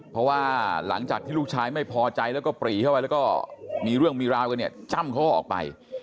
เพราะว่าหลังจากที่ลูกชายไม่พอใจแล้วก็ปรีเข้าไปแล้วก็มีเรื่องมีราวกันเนี่ยจ้ำเขาก็ออกไป